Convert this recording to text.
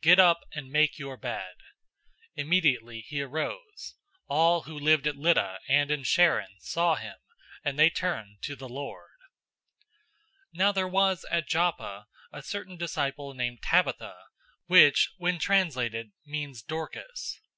Get up and make your bed!" Immediately he arose. 009:035 All who lived at Lydda and in Sharon saw him, and they turned to the Lord. 009:036 Now there was at Joppa a certain disciple named Tabitha, which when translated, means Dorcas.{"Dorcas" is Greek for "Gazelle."